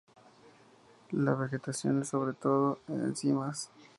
La vegetación es sobre todo de encinas.